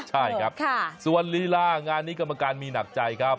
ใช่ครับส่วนลีลางานนี้กรรมการมีหนักใจครับ